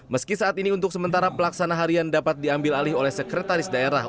meski saat ini untuk sementara pelaksana harian dapat diambil alih oleh sekretaris daerah